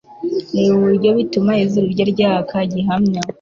Reba uburyo bituma izuru rye ryaka gihamya